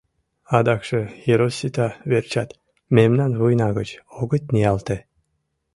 Адакше Хиросита верчат мемнам вуйна гыч огыт ниялте.